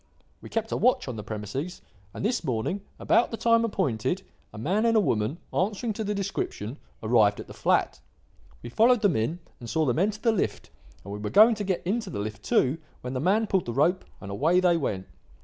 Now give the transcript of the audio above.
We kept a watch on the premises, and this morning, about the time appointed, a man and a woman, answering to the description, arrived at the flat. We followed them in and saw them enter the lift, and we were going to get into the lift too, when the man pulled the rope, and away they went.